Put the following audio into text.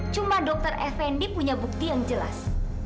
cuma dokter efendi punya bukti yang jelas